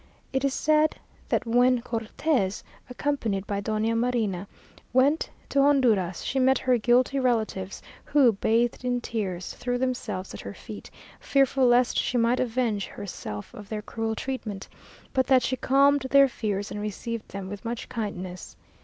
It is said that when Cortes, accompanied by Doña Marina, went to Honduras, she met her guilty relatives, who, bathed in tears, threw themselves at her feet, fearful lest she might avenge herself of their cruel treatment; but that she calmed their fears, and received them with much kindness.